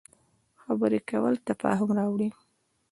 خبرې کول تفاهم راوړي